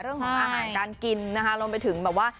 เรื่องของอาหารการกินนะคะรวมไปถึงแบบว่า